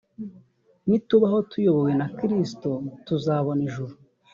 nitubaho tuyobowe na kristo tuzabona ijuru